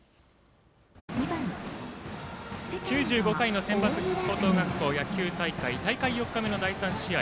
９５回のセンバツ高等学校野球大会大会４日目の第３試合。